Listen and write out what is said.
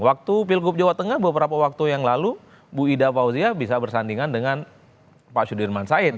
waktu pilgub jawa tengah beberapa waktu yang lalu bu ida fauzia bisa bersandingan dengan pak sudirman said